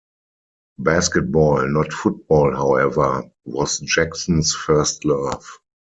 Basketball, not football, however, was Jackson's first love.